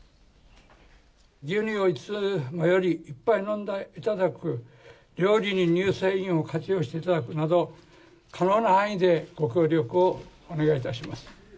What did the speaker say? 牛乳をいつもよりいっぱい飲んでいただく、料理に乳製品を活用していただくなど、可能な範囲でご協力をお願いいたします。